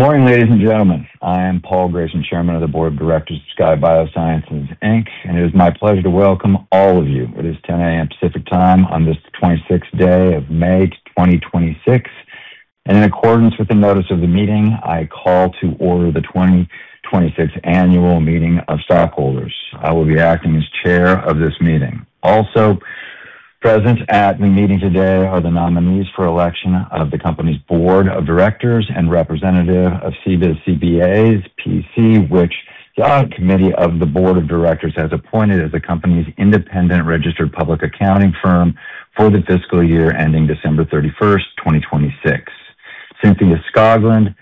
Good morning, ladies and gentlemen. I am Paul Grayson, Chairman of the Board of Directors of Skye Bioscience, Inc., and it is my pleasure to welcome all of you. It is 10:00 A.M. Pacific Time on this 26th day of May 2026, and in accordance with the notice of the meeting, I call to order the 2026 annual meeting of stockholders. I will be acting as chair of this meeting. Also present at the meeting today are the nominees for election of the company's board of directors and representative of CBAS CPAs, PC, which the audit committee of the board of directors has appointed as the company's independent registered public accounting firm for the fiscal year ending December 31st, 2026. Cynthia Scogland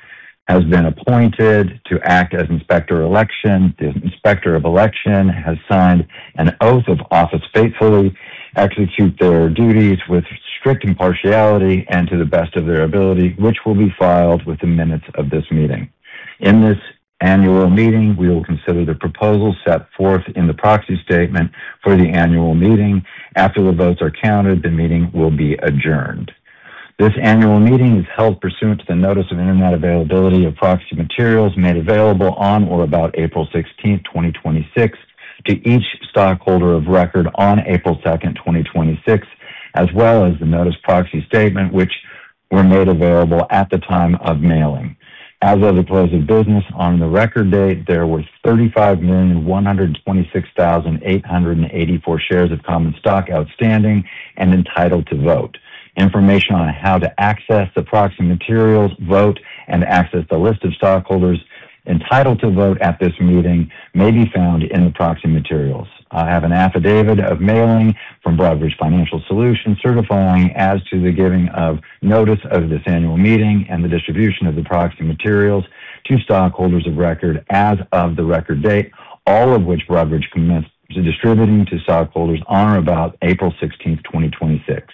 has been appointed to act as Inspector of Election. The inspector of election has signed an oath of office faithfully execute their duties with strict impartiality and to the best of their ability, which will be filed with the minutes of this meeting. In this annual meeting, we will consider the proposal set forth in the proxy statement for the annual meeting. After the votes are counted, the meeting will be adjourned. This annual meeting is held pursuant to the notice of Internet availability of proxy materials made available on or about April 16th, 2026, to each stockholder of record on April 2nd, 2026, as well as the notice proxy statement, which were made available at the time of mailing. As of the close of business on the record date, there was 35,126,884 shares of common stock outstanding and entitled to vote. Information on how to access the proxy materials, vote, and access the list of stockholders entitled to vote at this meeting may be found in the proxy materials. I have an affidavit of mailing from Broadridge Financial Solutions certifying as to the giving of notice of this annual meeting and the distribution of the proxy materials to stockholders of record as of the record date, all of which Broadridge commenced to distributing to stockholders on or about April 16, 2026.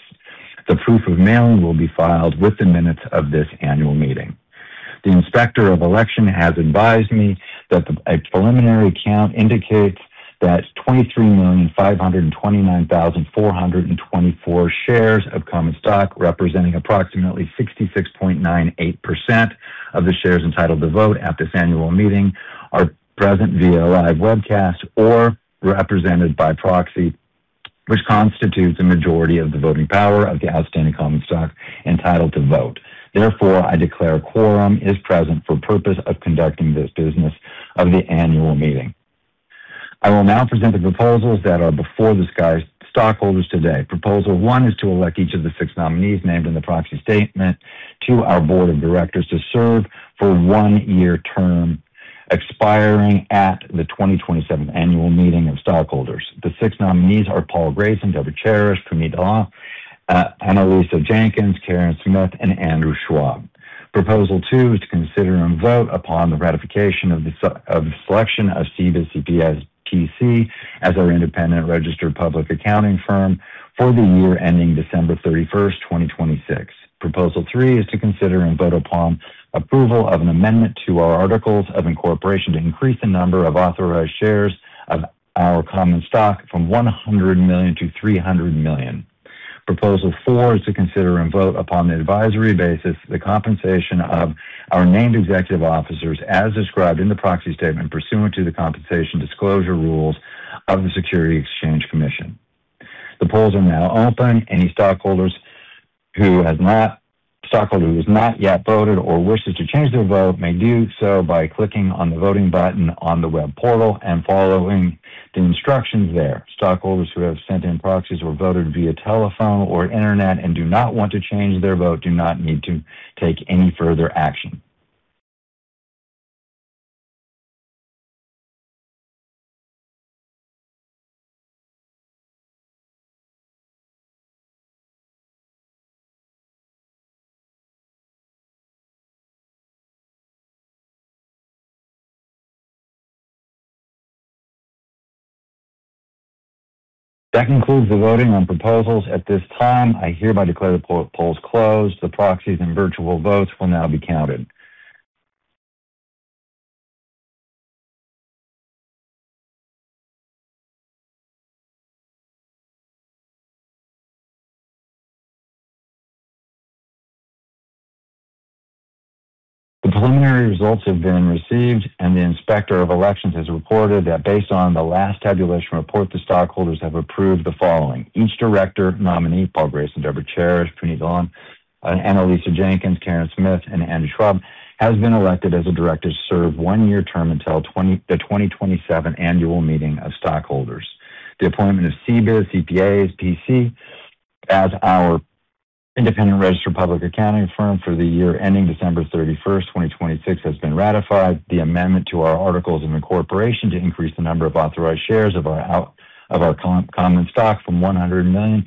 The proof of mailing will be filed with the minutes of this annual meeting. The inspector of election has advised me that the preliminary count indicates that 23,529,424 shares of common stock, representing approximately 66.98% of the shares entitled to vote at this annual meeting, are present via live webcast or represented by proxy, which constitutes a majority of the voting power of the outstanding common stock entitled to vote. Therefore, I declare a quorum is present for purpose of conducting this business of the annual meeting. I will now present the proposals that are before the Skye stockholders today. Proposal one is to elect each of the six nominees named in the proxy statement to our board of directors to serve for one-year term expiring at the 2027 annual meeting of stockholders. The six nominees are Paul Grayson, Deborah Charych, Punit Dhillon, Annalisa Jenkins, Karen Smith, and Andrew Schwab. Proposal two is to consider and vote upon the ratification of the selection of CBAS CPAs, PC as our independent registered public accounting firm for the year ending December 31st, 2026. Proposal three is to consider and vote upon approval of an amendment to our articles of incorporation to increase the number of authorized shares of our common stock from 100 million to 300 million. Proposal four is to consider and vote upon an advisory basis the compensation of our named executive officers as described in the proxy statement pursuant to the compensation disclosure rules of the Securities and Exchange Commission. The polls are now open. Any stockholder who has not yet voted or wishes to change their vote may do so by clicking on the voting button on the web portal and following the instructions there. Stockholders who have sent in proxies or voted via telephone or internet and do not want to change their vote do not need to take any further action. That concludes the voting on proposals. At this time, I hereby declare the polls closed. The proxies and virtual votes will now be counted. The preliminary results have been received, and the inspector of elections has reported that based on the last tabulation report, the stockholders have approved the following. Each director nominee, Paul Grayson, Deborah Cherish, Punit Dhillon, Annalisa Jenkins, Karen Smith, and Andrew Schwab, has been elected as a director to serve one-year term until the 2027 annual meeting of stockholders. The appointment of CBAS CPAs, PC as our independent registered public accounting firm for the year ending December 31st, 2026, has been ratified. The amendment to our articles of incorporation to increase the number of authorized shares of our common stock from 100 million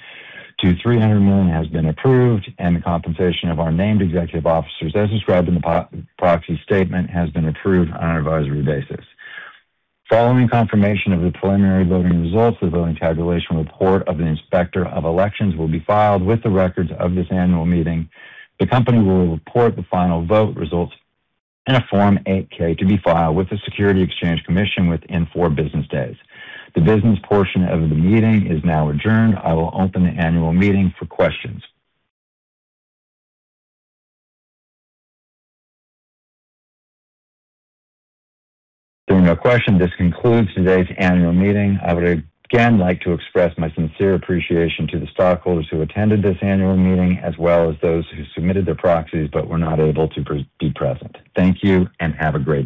to 300 million has been approved, and the compensation of our named executive officers as described in the proxy statement has been approved on an advisory basis. Following confirmation of the preliminary voting results, the voting tabulation report of the inspector of elections will be filed with the records of this annual meeting. The company will report the final vote results in a Form 8-K to be filed with the Securities and Exchange Commission within four business days. The business portion of the meeting is now adjourned. I will open the annual meeting for questions. There are no questions. This concludes today's annual meeting. I would again like to express my sincere appreciation to the stockholders who attended this annual meeting, as well as those who submitted their proxies but were not able to be present. Thank you and have a great day.